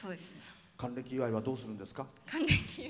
還暦祝いはどうするんですか？